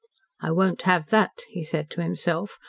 "I won't have that," he said to himself.